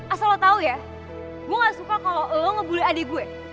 asal lo tau ya gue gak suka kalau lo ngebull adik gue